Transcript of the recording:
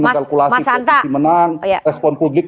mengkalkulasi posisi menang respon publik